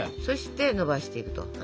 そしてのばしていくと。